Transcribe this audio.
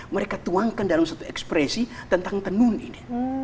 mereka tuangkan dalam satu ekspresi tentang tenun ini